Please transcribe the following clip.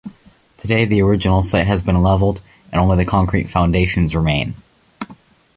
Today the original site has been leveled, and only the concrete foundations remain.